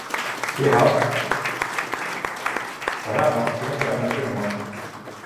Its studios are located on Division Street in downtown Lake Charles.